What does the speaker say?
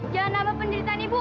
jangan nambah penderitaan ibu